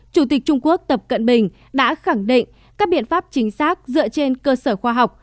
chủ tịch trung quốc tập cận bình đã khẳng định các biện pháp chính xác dựa trên cơ sở khoa học